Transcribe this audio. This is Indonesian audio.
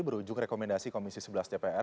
berujung rekomendasi komisi sebelas dpr